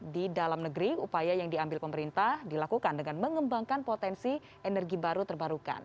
di dalam negeri upaya yang diambil pemerintah dilakukan dengan mengembangkan potensi energi baru terbarukan